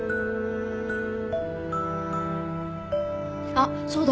あっそうだ。